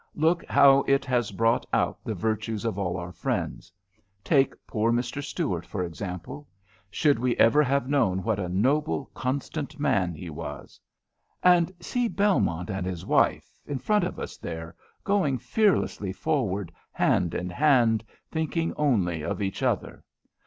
Look how it has brought out the virtues of all our friends. Take poor Mr. Stuart, for example. Should we ever have known what a noble, constant man he was? And see Belmont and his wife, in front of us, there, going fearlessly forward, hand in hand, thinking only of each other.